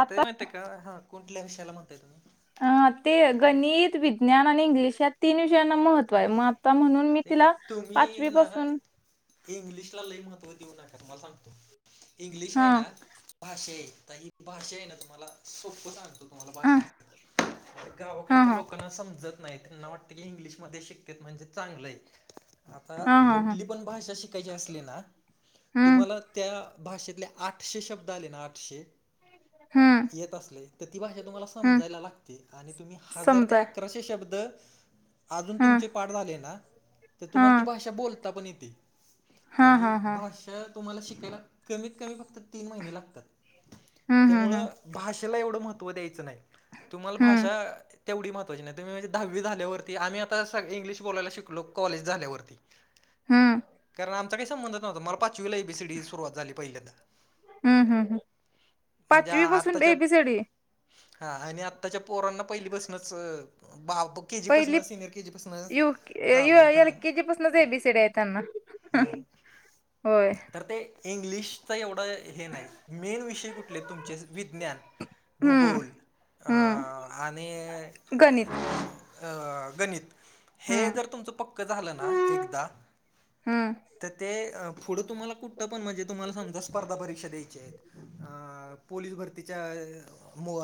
आता माहितेय का. कुठल्या विषयाला म्हणताय तुम्ही. अ ते गणित, विज्ञान आणि इंग्लिश यात तीन विषयांना महत्त्वय. म आता म्हणून मी ते तिला तुम्ही पाचवी ना पासून इंग्लिशला लय महत्त्व देऊ नका तुम्हाला सांगतो. इंग्लिश हाय हा ना. भाषाये. ही भाषाय ना तुम्हाला सोपं सांगतो. तुम्हाला हा भाषा. हा गावाकच्या हा लोकांना समजत नाही त्यांना वाटत की इंग्लिश मध्ये शिकत्यात म्हणजे चांगलंय. आता हा हा हा कुठली पण भाषा शिकायची असली ना. हम्म तुम्हाला त्या भाषेतले आठशे शब्द आले ना. आठशे. हम्म. येत असले. त ती भाषा तुम्हाला हम्म समजायला लागते. आणि तुम्ही हजार ते समजा अकराशे शब्द अजून हम्म तुमचे पाठ झाले ना. त हा तुम्हाला ती भाषा बोलता पण येते. हा आणि हा हा भाषा तुम्हाला शिकायला. कमीत कमी फक्त तीन महिने लागतात. हम्म हम्म त्यामुळं भाषेला एवढं महत्त्व द्यायचं नाही. तुम्हाला हम्म भाषा तेवढी महत्वाची नाही. तुम्ही म्हणजे दहावी झाल्यावर. आम्ही आता इंग्लिश बोलायला शिकलो. कॉलेज झाल्यावरती. हम्म हम्म कारण आमचा काही संबंध नव्हता. मला पाचवीला एबीसीडी सुरुवात झाली पहिल्यांदा. हम्म हम्म हम्म. म्हणजे पाचवी पासून आत्ताच्या एबीसीडी. हा आणि आत्ताच्या पोरांना, पहिली पासूनच बा बुके. पहिली यु चालू आहे एल हां केजी पासूनच एबीसीडीये त्यांना. होय. तर ते इंग्लिशचा एवढा हे नाही. मेन विषय कुठले तुमचे विज्ञान. हम्म भूगोल अ हम्म आणि गणित. अ गणित. हे हम्म जर तुमचं पक्क झालं ना एकदा. हम्म. तर ते पुढं तुम्हाला कुठं पण म्हणजे. तुम्हाला समजा स्पर्धा परीक्षा द्यायच्या आहेत. अ पोलीस भरतीच्या. मो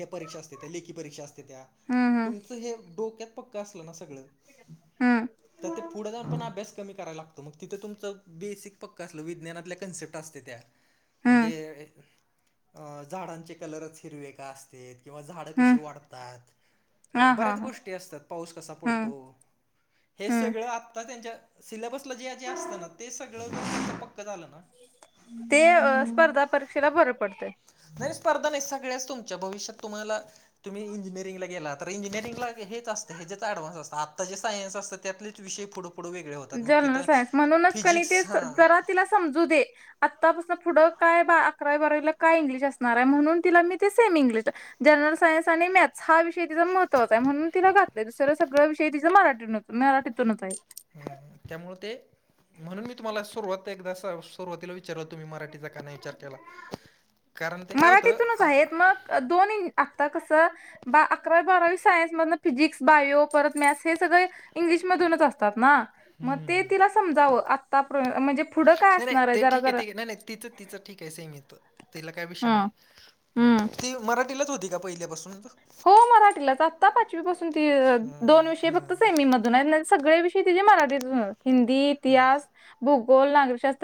हे परीक्षा असते त्या. लेखी परीक्षा असते त्या. ह. ह. तुमचं हे डोक्यात पक्क असल ना सगळ. हम्म. तर ते पुढे जाऊन पण अभ्यास कमी कराय लागतो. मग तिथे तुमचं बेसिक पक्क असल, विज्ञनातल्या कन्सेप्टट. असते त्या. हम्म म्हणजे झाडांचे कलरच हिरवे का असते. किंवा झाडं हम्म कशी वाढतात. हा हा बऱ्याच हा गोष्टी असतात. पाऊस कसा हम्म पडतो. हे हम्म सगळं आत्ता त्यांच्या सिलेबसला जे जे असत ना. ते सगळं पक्क झालं ना. ते स्पर्धा परीक्षेला बर पडते. नाही स्पर्धा नाही. सगळ्याच तुमच्या. भविष्यात तुम्हाला तुम्ही इंजिनिअरिंगला गेला. इंजिनेरिंग ला हेच असंत. हे जच ऑडव्ह्स असत. आता जे सायन् असतात त्यालेच विषय पुढे पुढे वेगळे. होतात मग जनरल तिथं सायन्स. म्हणूनच कनी ते फिजिक्स हां जरा तिला समजू दे. आत्तापासून पुढं काय अकरावी बारावीला काय इंग्लिश असणारे. म्हणून तिला मी ते सेम इंग्लिशला जनरल सायन्स आणि मॅथस हा विषय तिचा महत्वाचा आहे. म्हणून तिला घातलंय. दुसरं सगळ विषय तिचं मराठीतून. मराठीतूनच आहेत. हम्म हम्म. त्यामुळे ते. म्हणून मी तुम्हाला सुरुवात एकदा सुरुवातीला विचारल तुम्ही मराठीचा का नाही विचार केला. कारण ते काय होतं. दोन्ही आता कसं. बा अकरावी बारावी सायन्स मधन. फिजिक्स बायो परत मॅथ्स हे सगळे. इंग्लिशमधूनच असतात ना. मग ते तिला समजावं. आता म्हणजे पुढं काय नाही नाही असणारे. ते जरा ठीक आहे जरा. ठीक आहे नाही नाही तिच तिचं ठीके. सेमे तो तिला काय विष हम्म नाही. हम्म. ती मराठी च होती का पहिल्यापासून. हो मराठीलाच आत्ता पाचवी पासून ती दोन हम्म विषयी फक्त हम्म सेमी मध्ये. सगळे विषय मराठीत हिंदी इतिहास भूगोल नागरीशास्त्र.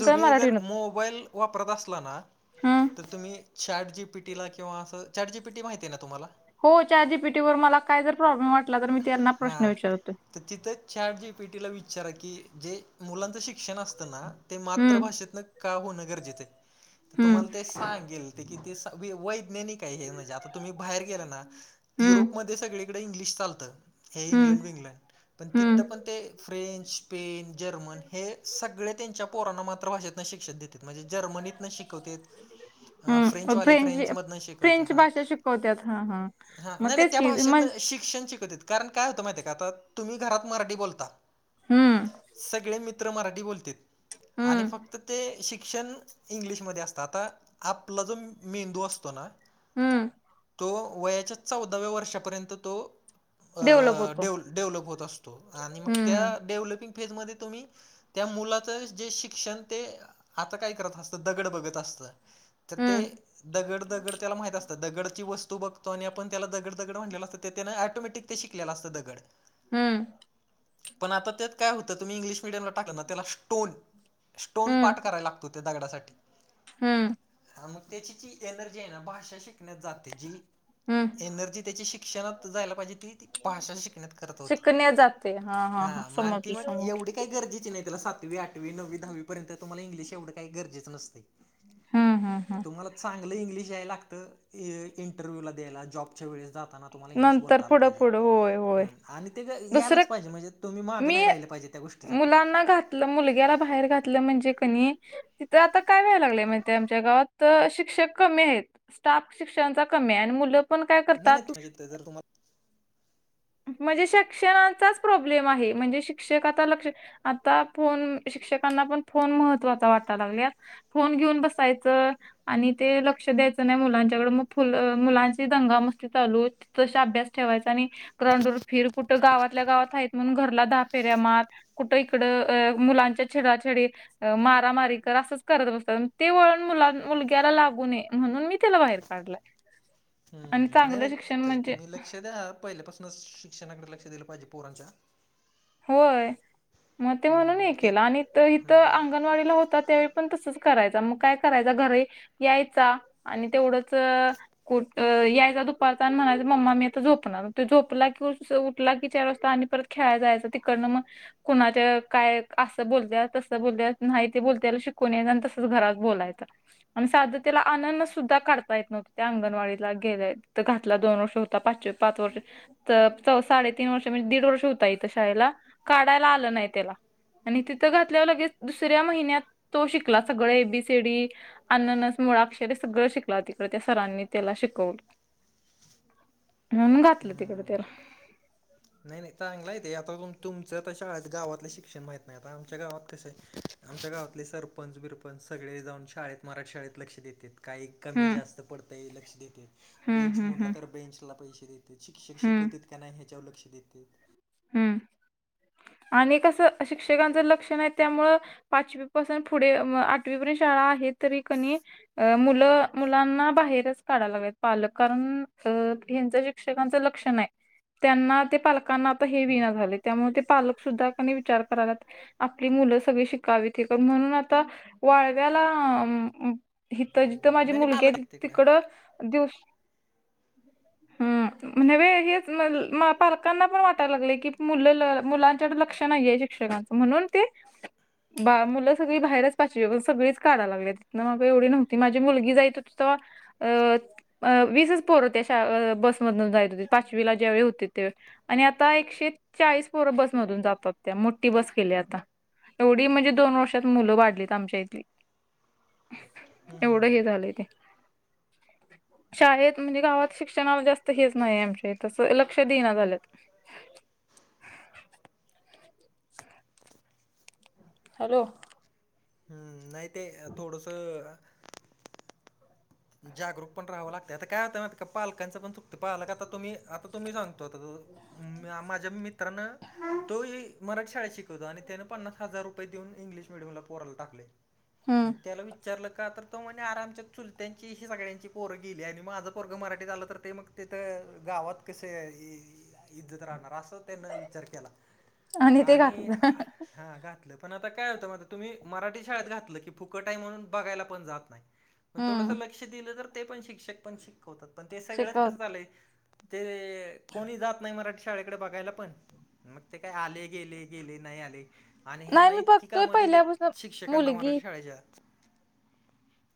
तुम्ही जर मराठीतून मोबाईल वापरत असला ना. हम्म तर तुम्ही चॅट जी पी टीला किंवा असं चॅट जी पी टी माहिती आहे ना तुम्हाला. हो चॅट जी पी टी वर मला काय जर प्रॉब्लेम वाटला तर मी त्यांना हा प्रश्न विचारतो. तर तिथंच चॅट जी पि टीला विचारा की जे मुलांचं शिक्षण असतं ना. ते हम्म मातृभाषेतन का होणं गरजेचं तर तुम्हाला हम्म ते सांगेल. कि त वैज्ञानिक आहे हे म्हणजे आता तुम्ही बाहेर गेला ना. हम्म युरोपमध्ये सगळीकडे इंग्लिश चालतं. हम्म इ पण तीथ हम्म पण फ्रें स्पेन जर्मन. सगळे त्यांच्या पोरांना मातृभाषेत शिक्षण देते म्हणजे जर्मनीत न शिकवत. हा फ्रेंचवाले फ्रेंच मधन शिकवत फ्रेंच हा भाषा शिकवत्यात हा हा मग नाही नाही. तेच त्या की भाषेतनं म्हणजे शिक्षण शिकत आहेत. कारण काय होत माहिती आहे का आता तुम्ही घरात मराठी बोलता हम्म सगळे मित. मित्र मराठी बोलत आणि हम्म फक्त. तर ते शिक्षण इंग्लिशमध्ये असतं आता आपला जो मेंदू असतो ना. हम्म! तो वयाच्या चौदाव्या वर्षापर्यंत तो. डेव्हलप होतो डेव डेव्हलप होत असतो आणि मग हम्म त्या हम्म डेव्हलपिंग फेजमध्ये तुम्ही त्या मुलाचं जे शिक्षण ते आता काय करत असतं दगड बघत असतं. तर ते हम्म दगड दगड त्याला माहित असत. दगडची वस्तू बघतो आणि आपण त्याला दगड दगड म्हणलेला असत ते त्याने ऑटोमॅटिक ते शिकलेलं असतं दगड. हम्म! पण आता त्यात काय होतं तुम्ही इंग्लिश मिडयमला टाकलं ना त्याला स्टोन. स्टोन हम्म पाठ करायला लागतो त्या दगडासाठी हम्म. मग त्याची जी एनर्जी आहे ना भाषा शिकण्यात जाते जी हम्म एनर्जी त्याची शिक शिक्षनात जायला पाहिजे. ती भाषा शिकण्यात करत होती शिकण्या जाते हा माणती समजलं मग समजलं एवढी काही गरजेची नाही त्याला सातवी आठवी नववी दहावीपर्यंत तुमला इंगलिश एवढं काही गरजेचं नसते. हम्म हम्म हम्म तुम्हाला सांग चग इंग्लिश याय लागत इंटरव्ह्यू ला दयला जॉबच्या वेळेस जाताना. नंतर पुढं पुढं होय हो. हम आणि ते ग यायलाच पाहिजे म्हणजे तुम्ही माग मी नाही राहिलं पाहिजे त्या गोष्टीसाठी. मुलांना घातलं मुलग्याला बाहेर घातलं म्हणजे कनी. तिथं आता काय व्यायला लागलंय म्हण आमच्या गावात शिक्षक कमी आहेत. स्टाफ शिक्षणाचा कमी आहे आणि मुलं पण काय नाही करतात नाही तु जर तुम्हाला. म्हणजे शिक्षणाचाच प्रॉब्लेम आहे म्हणजे शिक्षक आता लक्ष. आता फोन शिक्षकांना पण फोन महत्वाचा वाटाला लागले. फोन घेऊन बसायचं. आणि ते लक्ष द्यायचं नाही मुलांच्याकड मग फुल मुलांची दंगा मस्ती चालू. तसा अभ्यास ठेवायचा आणि [inaudible] कुठं गावातल्या गावात आहेत म्हणून घरला दहा फेऱ्या मार. कुठं इकडं अ मुलांच्या छेडा छेडी. मारामारी कर असंच करत बसतात ते वळण मुला मुलग्याला लागू नये म्हणून मी त्याला बाहेर काढलं. [inaudible] हम्म नाही नाही तुम्ही लक्ष द्या पहिल्यापासूनच शिक्षणाकडे लक्ष दिलं पाहिजे पोरांच्या. होय मग ते म्हणून हम्म हे ते केलं आणि तर इथ हम्म अंगणवाडीला होता त्यावेळी पण तसंच करायचं मग काय करायचा घरी यायचा आणि तेवढंच कुठ यायचा दुपारचा आणि म्हणायच मम्मा मी आता झोपणार झोपला की उठला कि चार वाजता आणि परत खेळाला जायचं तिकडंन मग कुणाच्या काय असं बोलत्या तसं बोलत्या नाही ते बोलत्याया शिकून येत आणि तसंच घरात बोलायचं आणि साधं त्याला आननस सुद्धा काढता येत नव्हते त्या अंगणवाडीला गेल्याय तर घातला दोन वर्ष होता पाचवीत पाच वर्ष तर साडे तीन वर्ष म्हणजे दीड वर्ष होता इथं याला काढायला आलं नाही त्याला आणि तिथं घातल्यावर लगेच दुसऱ्या महिन्यात तो शिकला सगळ एबीसीडी अननस मुळाक्षरे सगळं शिकला तिकडें त्या सरांनी त्याला शिकवलं म्हणून घातलं तिकडं हम्म त्याला नाही नाही चांगलाय ते आता तुमचं तशा गावातलं शिक्षण माहीत नाही आता आमच्या गावात कसंय आमच्या गावातले सरपंच बिरपंच सगळे जाऊन शाळेत मराठी शाळेत लक्ष देतेत. काही कमी हम्म जास्त पडतंय लक्ष देते हम्म बेंच हम्म मोडला हम्म तर बेंचला पैसे दे शिक्षक हम्म शिकवतेत का नाही ह्याच्यावर लक्ष देतेत हम्म आणि कसं शिक्षकांच लक्षण नाय त्यामुळं पाचवी पासून पुढे आठवी पर्यंत शाळा आहेत तरी कणी अ मुलं मुलांना बाहेरच काढायला लागलेत पालक कारण अ [inaudible] ह्याचं शिक्षकांचे लक्ष नाय त्यांना ते पालकांना आता हे बी त्यामुळे ते पालक सुद्धा का विचार कराला [unintelligible] आपली मुलं सगळी शिकावीत हे म्हणून आता वाळव्याला हिथं जिथं माझी नाही नाही मुलगीय पालक आहेत तिकडं दिवस हम्म म्हणजे वेगळीच पालकांना पण वाट वाटाय लागलं की मुलं मुलांच्याकड लक्ष नाहीये. शिक्षकांच म्हणून ते बा मुलं सगळी बाहेरचं पाचवीपासून सगळीच काढाय लागल्यात तिथनं मग एवढ नव्हती. माझी मुलगी जाईत होती तवा अ अ.. वीसच पोरं त्या शाळ-बसमधुनं जाईत होतीत पाचवीला ज्यावेळी होती त्यावेळी आणि आता एकशे चाळीस पोरं बस मधून जातात त्या मोठी बस केली आता एवढी म्हणजे दोन वर्षात मुलं वाढलीत आमच्या इथंली एवढं हम्म हे झालंय ते शाळेत म्हणजे गावात शिक्षणला जास्त हेच नाही आमच्याइथ तसं लक्ष देइना झाल्यात ह [inaudible] हॅलो! हम्म नाही, ते थोडसं जागरूक पण राहावं लागत आता काय होतं पालकच पण चुकत पालक आता तुम्ही आता तुम्ही सांगतो आता माझ्या मित ञानं तो ही मराठी शाळेत शिकवतो आणि त्यानं पन्नास हजार रुपये देऊन इंग्लिश मिडयमला पोराला टाकलं हम्म मग त्याला विचारलं का तर आमच्या चुल त्यांची ही सगळ्यांची पोरं गेली आणि माझं पोरंग मराठीत आलं तर ते मग तिथं गावात कसं ही इथंच राहणार असं त्यांन विचार केला ते आणि घातलं [unintelligible] हा घातलं पण आता काय होतं मझ तुम्ही मराठी शाळेत घातलं की फुकट आहे म्हणून बघायला पण जात नाही. पण थोडंस हम्म लक्ष दिलं तर ते पण शिक्षक पण शिकवतात पण ते सगळंच शिकव कसं झालंय ते कोणी जात नाही मराठी शाळेकडे बघायला पण मग ते काय आले, गेले गेले नाही आले आणि नाही ह्यांना मी इतकी बघतोय कामं दिलीत पहिल्यापासून शिक्षकांना मुलगी मराठी शाळेच्या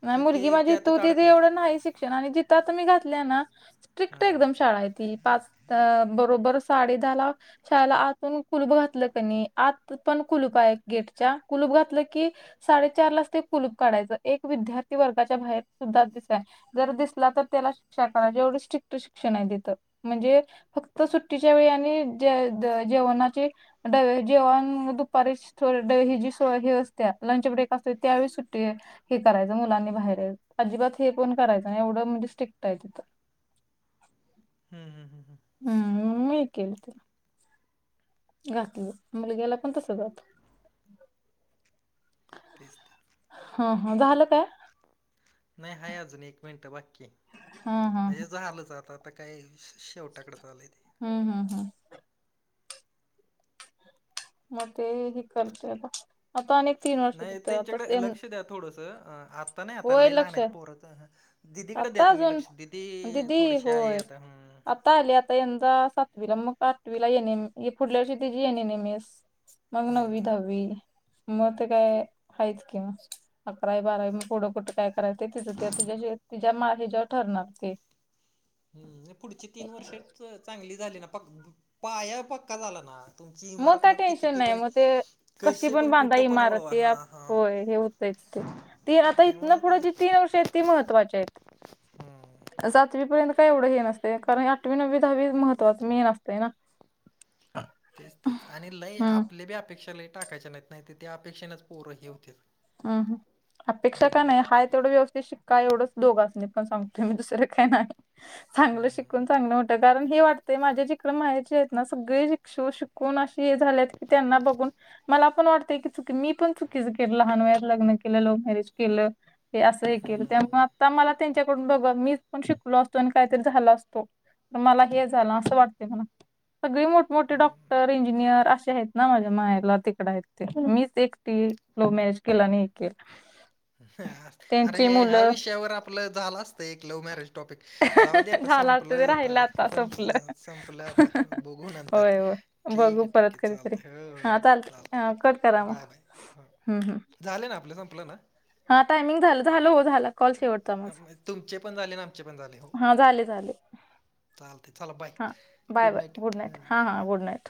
नाय की मुलगी ते माझी इथ त्यातच होती ते अडकलेत. एवढं नाही शिक्षण आणि जिथं आता मी घातल्या ना स्ट्रिक्ट हां. एकदम शाळाय ती पाच अ.. बरोबर साडे दहा ला शाळेला आतून कुलूप घातलं कनी आत पण कुलूप आय गेटच्या कुलूप घातलं की साडेचार लाच ते कुलूप काढायचं एक विद्यार्थी वर्गाच्या बाहेर सुद्धा दिसाय जर दिसला तर त्याला शिक्षा करा, एवढं स्ट्रिक्ट शिक्षण हाय तिथं म्हणजे फक्त सुट्टीच्या वेळी आणि जे-जेवणाची जेवण दुपारी होय सोळा दिवस सुट्टी असत्या, लंच ब्रेक असतो त्यावेळी सुट्टी हे करायचं मुलांनी बाहेर यायच, अजिबात हे पण करायचं नाय एवढं, म्हणजे स्ट्रिक्ट हाय तिथं हुं हुं हुं. हा होय की घातलं मुलग्याला पण तसंच आता तेच ते. हा हा झालं काय? नाही, हाय अजून एक मिनिटं बाकीय हा हा म्हणजे झालंच आता आता काय शे शेवटाकडच आलंय ते. हा हा हा. मग ते ही करते बघ. नाही त्यांच्याकडं लक्ष द्या थोडसं, अ आता नाही आता होय लय लहान लक्ष आहेत आहे. पोर दिदीकडं द्या आता तुम्ही अजून लक्ष, दिदी थोडीशी आहे आता हुं. आता आले, आता यंदा सातवीला मग आठवीला एन एम एम पुढल्या वर्षी तिजि एन एम एम एस मग नववी हम्म दहावी मग ते काय हायच कि मग अकरावी बारावी मग पुढं कुट काय करायच? ते तिज ते तिच्या हेज्यावर ठरणार ते हम् पुढची तीन वर्ष च-चांगली झाली ना, पक्-पाया पक्का झाला ना. तुमची इमारत काय मग ती टेन्शन किती नाही पण? मग ते कशी पण? कुठं पण वळवा? हा हा तेच ते, तीला आता इथनं त्यामुळं ते पुढं ती- तीन वर्ष आहेत. ती महत्त्वाची येत. हम्म सातवी पर्यंत काय एवढं हे नसतय? कारण आठवी, नववी, दहावी महत्वाचं मेन असतय ना. तेच तेच आणि लय हम्म आपल्या बी अपेक्षा लय टाकायच्या नाहीत, नाही तर ते अपेक्षेनेच पोरं हे होत्यात. अं. ह अपेक्षा काय नाय? हाय तेवढं व्यवस्थित शिक्का एवढच दोघासनी पण सांगतोय, मी दुसर काय नाय? चांगलं शिकून हम्म चांगलं कारण हे वाटतंय माझ्या जे पणं माहेरचे हाएत ना, सगळे शिक-शि-शिकून अशे हे झालेत की, त्यांना बघून मला पण वाटतंय की, चूक मी पण चुकीच केल. लहान वयात लग्न केलं. लव्ह मॅरेज केलं. हे असं एकेकदा हम्म त्यामुळ, आता मला त्यांच्याकडून बघुन मी पण शिकलो असतो आणि काहीतरी झालो असतो. तर मला हे झालं असं वाटतय म्हणा. सगळी मोठमोठे डॉक्टर, इंजिनियर असे आहेत ना, माझ्या माहेरला तिकड आहेत ते मीच एकटी लव मॅरेज केला आणि हे केलं. अरे, त्यांची ह्या मुलं विषयावर आपलं झालं असतं एक लव्ह मॅरेज टॉपिक. जाऊ दे आता संपलं आता, संपलं संपलं आता बघू नंतर होय होय बघू ठिक ए परत ठिक ए कधीतरी चालतंय हा हां चालते बाय बाय हो. हं हं. झालं ना, आपलं संपलं ना. हा टायमिंग झालं, झालं हो झाला, कॉल शेवट. अम, [unintelligible] तुमचे पण झाले ना आमचे पण झाले हो हा झाले झाले. चालतंय चला बाय हा बाय बाय गुड नाईट, हा हा गुड नाईट.